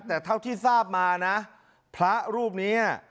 แต่เท่าที่ทราบมานะพระรูปนี้